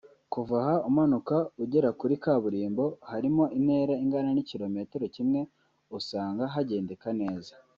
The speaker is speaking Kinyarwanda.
Kuva aha umanuka ugera kuri kaburimbo (harimo intera ingana n’ikilometero kimwe) usanga hagendeka neza